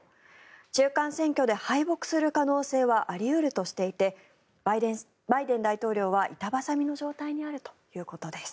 中間選挙で敗北する可能性はあり得るとしていてバイデン大統領は板挟みの状態にあるということです。